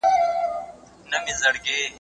نفرت له منځه يوسو.